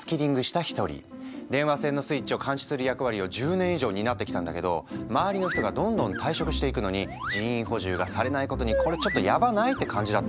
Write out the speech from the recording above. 電話線のスイッチを監視する役割を１０年以上担ってきたんだけど周りの人がどんどん退職していくのに人員補充がされないことにこれちょっとやばない？って感じだったんだって。